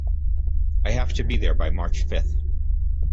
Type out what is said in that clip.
I have to be there by March fifth.